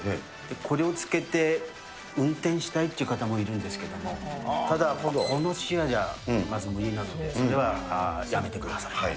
これをつけて運転したいという方もいるんですけれども、まだこの視野じゃ、まず無理なので、それはやめてくださいと。